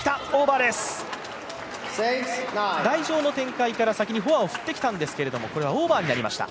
台上の展開から、先にフォアを振ってきたんですけどこれは、オーバーになりました。